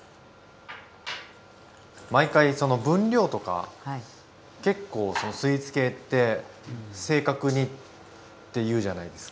毎回その分量とか結構スイーツ系って正確にっていうじゃないですか。